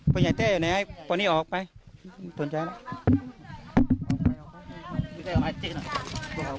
พ่อใหญ่เต้อยู่ไหนไงพ่อนี้ออกไปสนใจแล้ว